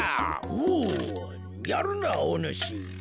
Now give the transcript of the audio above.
おやるなあおぬし。